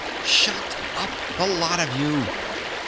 "Shut up, the lot of you!